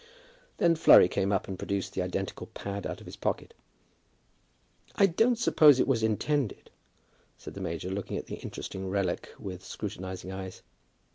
Then Flurry came up, and produced the identical pad out of his pocket. "I don't suppose it was intended," said the major, looking at the interesting relic with scrutinizing eyes.